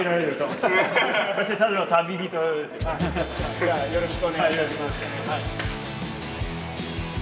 じゃあよろしくお願いいたします。